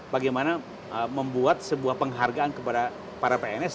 bagaimana membuat sebuah penghargaan kepada para pns